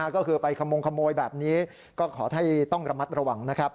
ก็คือไปขโมงแบบนี้ก็ขอให้ต้องระมัดระวัง